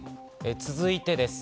続いてです。